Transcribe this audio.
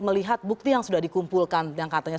melihat bukti yang sudah dikumpulkan yang katanya